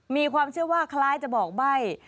มีความเชื่อว่าคล้ายจะบอกใบ้